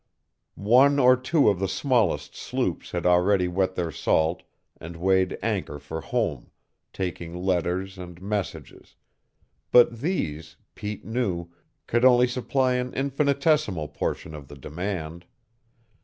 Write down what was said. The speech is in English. One or two of the smallest sloops had already wet their salt and weighed anchor for home, taking letters and messages; but these, Pete knew, could only supply an infinitesimal portion of the demand.